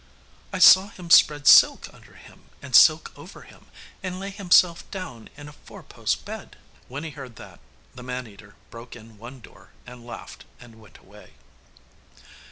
'I saw him spread silk under him, and silk over him, and lay himself down in a four post bed.' When he heard that, the man eater broke in one door, and laughed and went away.